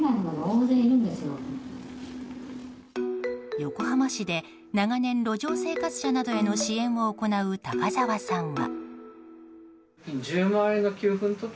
横浜市で長年路上生活者などへの支援を行う高沢さんは。